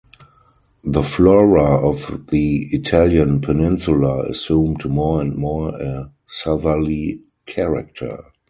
The flora of the Italian peninsula assumed more and more a southerly character.